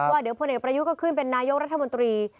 ว่าเดี๋ยวพลเอกประยุทธ์ก็ขึ้นเป็นนายกรัฐมนตรี